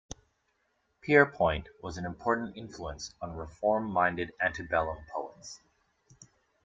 Pierpont was an important influence on reform-minded antebellum poets.